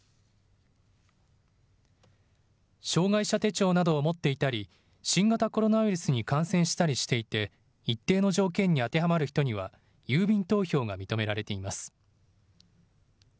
障害者手帳などを持っていたり新型コロナウイルスに感染したりしていて一定の条件に当てはまる人には郵便投票が認められています。